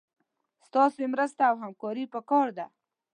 ستاسي مرسته او همکاري پکار ده